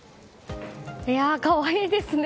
かわいいですね。